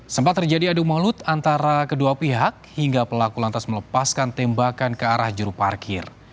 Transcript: sempat terjadi adu mulut antara kedua pihak hingga pelaku lantas melepaskan tembakan ke arah juru parkir